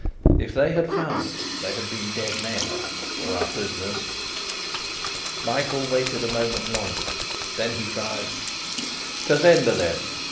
If they had found us, they had been dead men, or our prisoners. Michael waited a moment longer. Then he cried: "To Zenda, then!"